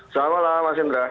selamat malam mas indra